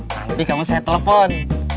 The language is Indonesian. nanti kamu saya telepon